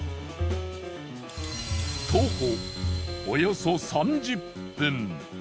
徒歩およそ３０分。